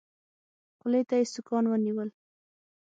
خولې ته يې سوکان ونيول.